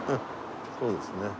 そうですね。